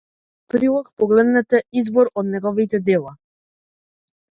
Во прилог погледнете избор од неговите дела.